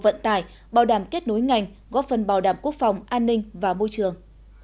vận tải bảo đảm kết nối ngành góp phần bảo đảm quốc phòng an ninh và môi trường